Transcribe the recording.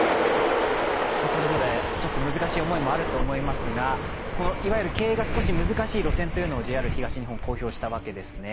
それぞれちょっと難しい思いもあると思いますがいわゆる経営が少し難しい路線というのをＪＲ東日本が公表したわけですね。